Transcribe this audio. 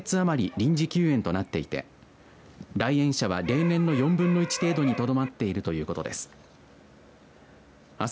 臨時休園となっていて来園者は例年の４分の１程度にとどまっているということです。